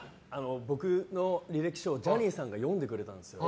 僕の履歴書ジャニーさんが読んでくれたんです。